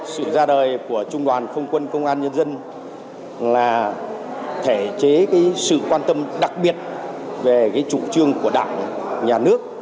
sự ra đời của trung đoàn không quân công an nhân dân là thể chế sự quan tâm đặc biệt về chủ trương của đảng nhà nước